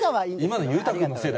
今の裕太君のせいだ。